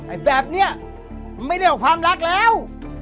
ไอ้แบบเนี้ยมันไม่ได้เอาความรักแล้ว